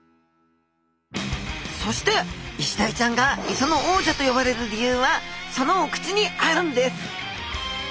そしてイシダイちゃんが磯の王者と呼ばれる理由はそのお口にあるんです！